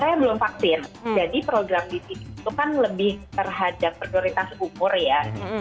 saya belum vaksin jadi program di sini itu kan lebih terhadap prioritas umur ya